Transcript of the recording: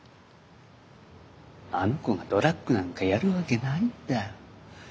あの子がドラッグなんかやるわけないんだ。